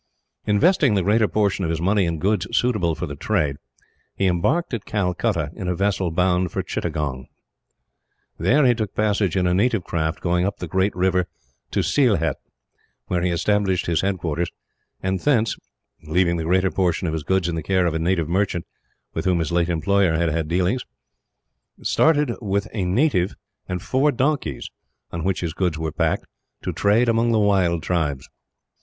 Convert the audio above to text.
Investing the greater portion of his money in goods suitable for the trade, he embarked at Calcutta in a vessel bound for Chittagong. There he took passage in a native craft going up the great river to Sylhet, where he established his headquarters; and thence leaving the greater portion of his goods in the care of a native merchant, with whom his late employer had had dealings started with a native, and four donkeys on which his goods were packed, to trade among the wild tribes.